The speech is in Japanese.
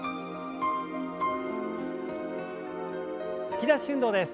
突き出し運動です。